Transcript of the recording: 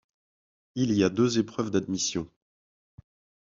Il y a deux épreuves d'admission.